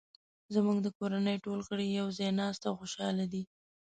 زموږ د کورنۍ ټول غړي یو ځای ناست او خوشحاله دي